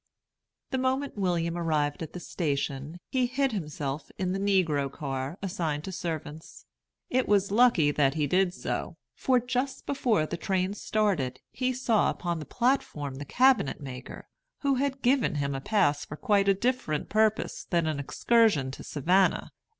The moment William arrived at the station, he hid himself in the "negro car" assigned to servants. It was lucky that he did so; for, just before the train started, he saw upon the platform the cabinet maker, who had given him a pass for quite a different purpose than an excursion to Savannah.